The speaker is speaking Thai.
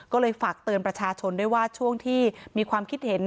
ก็เลยฝากเตือนประชาชนด้วยว่าช่วงที่มีความคิดเห็น